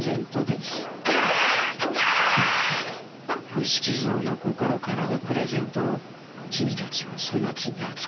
伏木蔵の心からのプレゼントをキミたちはそまつにあつかってしまった。